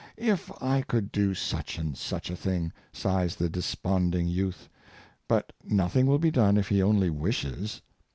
"^ I could do such and such a thing," sighs the desponding youth. But nothing will be done if he only wishes.